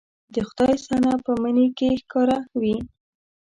د خدای صنع په مني کې ښکاره وي